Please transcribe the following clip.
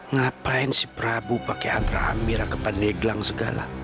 ngapain si prabu pakai antra amira ke pandeglang segala